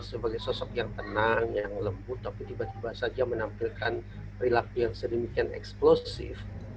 sebagai sosok yang tenang yang lembut tapi tiba tiba saja menampilkan perilaku yang sedemikian eksplosif